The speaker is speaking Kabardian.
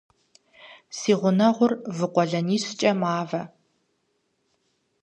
Си гъунэгъур вы къуэлэнищкӀэ мавэ.